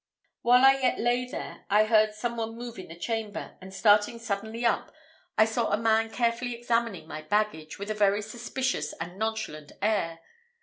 While I yet lay there, I heard some one move in the chamber; and starting suddenly up, I saw a man carefully examining my baggage, with a very suspicious and nonchalant air.